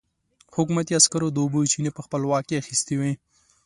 حکومتي عسکرو د اوبو چينې په خپل واک کې اخيستې وې.